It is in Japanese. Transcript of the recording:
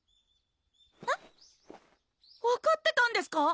えっ？分かってたんですか？